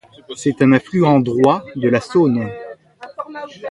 C'est un affluent droit de la Saône.